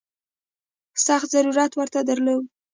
سخت ضرورت ورته درلود.